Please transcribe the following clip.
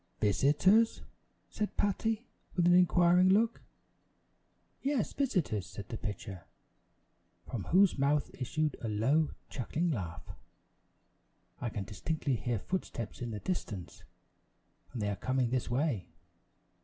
"Visitors?" said Patty with an inquiring look. "Yes, visitors," said the pitcher, from whose mouth issued a low, chuckling laugh; "I can distinctly hear footsteps in the distance, and they are coming this way.